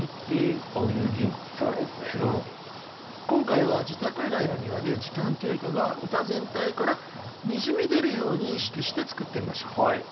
今回は自宅以外の庭で時間経過が歌全体からにじみ出るように意識して作ってみましょう。